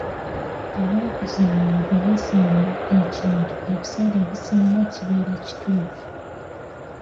Abakuzaala bwe basemba ekintu ebiseera ebisinga kibeeera kituufu.